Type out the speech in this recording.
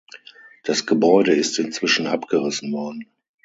Das Gebäude ist inzwischen abgerissen worden.